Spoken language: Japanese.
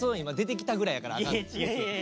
今出てきたぐらいやからあかん。